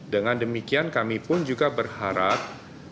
dengan demikian kami pun juga berharap